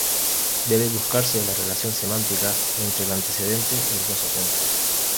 Debe buscarse la relación semántica entre el antecedente y el consecuente.